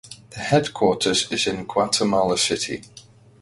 The headquarters is in Guatemala City.